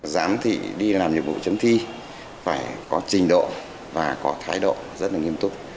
giám thì đi làm nhiệm vụ chấm thi phải có trình độ và có thái độ rất nghiêm túc